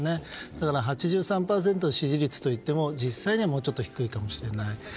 だから８３％の支持率といっても実際にはもうちょっと低いかもしれない。